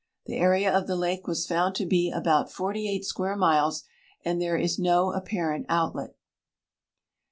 The area of the lake was found to be about 48 s(iuare miles, and there is no aiijiarent outlet.